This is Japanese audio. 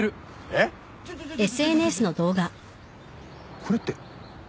これって夜？